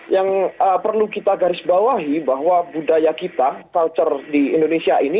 yang perlu kita garis bawahi bahwa budaya kita culture di indonesia ini